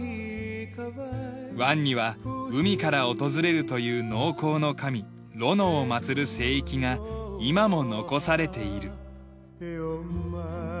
湾には海から訪れるという農耕の神ロノを祭る聖域が今も残されている。